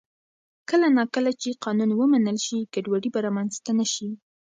کله نا کله چې قانون ومنل شي، ګډوډي به رامنځته نه شي.